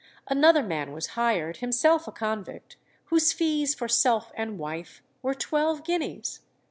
Another man was hired, himself a convict, whose fees for self and wife were twelve guineas.